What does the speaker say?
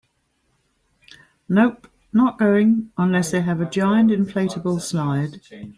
Nope, not going unless they have a giant inflatable slide.